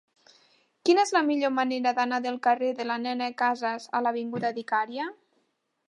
Quina és la millor manera d'anar del carrer de la Nena Casas a l'avinguda d'Icària?